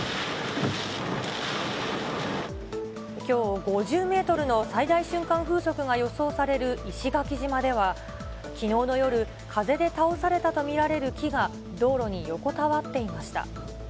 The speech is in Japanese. きょう、５０メートルの最大瞬間風速が予想される石垣島では、きのうの夜、風で倒されたと見られる木が、道路に横たわっていました。